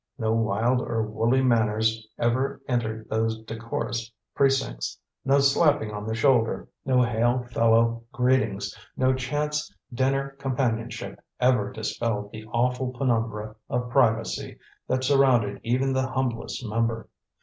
No wild or woolly manners ever entered those decorous precincts. No slapping on the shoulder, no hail fellow greetings, no chance dinner companionship ever dispelled the awful penumbra of privacy that surrounded even the humblest member.